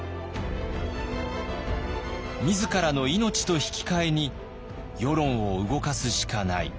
自らの命と引き換えに世論を動かすしかない。